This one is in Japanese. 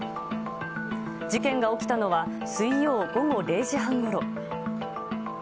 事件が起きたのは水曜午後０時半ごろ。